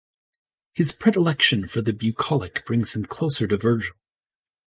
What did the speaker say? His predilection for the bucolic brings him closer to Virgil.